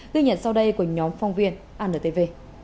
ghi nhận sau đây của nhóm phong viên antv